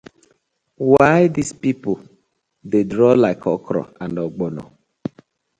Why dis pipu dey draw like okra and ogbono.